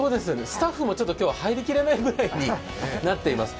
スタッフも今日は入りきれないくらいになってます。